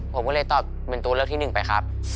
ผมก็เลยตอบเป็นตัวเลือกที่๑ไปครับ